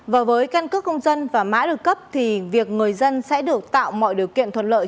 và với căn cước công dân và mã được cấp thì việc người dân sẽ được tạo mọi điều kiện thuận lợi